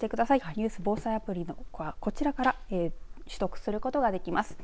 ニュース・防災アプリはこちらから取得することができます。